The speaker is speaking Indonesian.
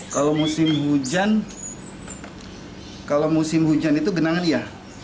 kalau musim hujan kalau musim hujan itu genangan iya